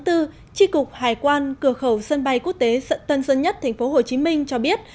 tri cục hải quan cửa khẩu sân bay quốc tế sận tân dân nhất tp hcm cho biết